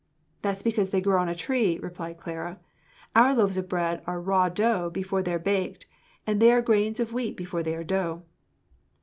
"That's because they grow on a tree," replied Clara. "Our loaves of bread are raw dough before they're baked, and they are grains of wheat before they are dough."